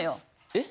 えっ？